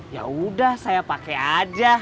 ya udah saya pakai aja